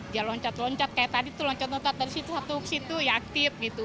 dia loncat loncat kayak tadi tuh loncat loncat dari situ satu ke situ ya aktif gitu